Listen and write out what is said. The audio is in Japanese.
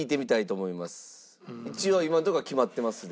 一応今のところは決まってますでしょうか？